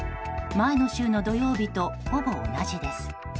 前の週の土曜日とほぼ同じです。